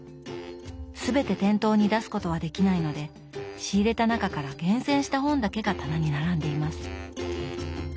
全て店頭に出すことはできないので仕入れた中から厳選した本だけが棚に並んでいます。